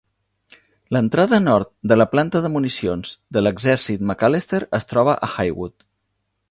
L'entrada nord de la Planta de Municions de l'exèrcit McAlester es troba a Haywood.